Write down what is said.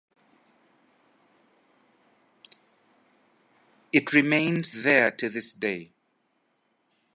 It remains there to this day.